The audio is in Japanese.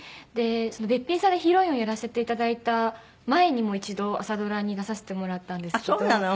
『べっぴんさん』のヒロインをやらせていただいた前にも一度朝ドラに出させてもらったんですけど。